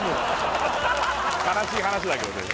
悲しい話だけどね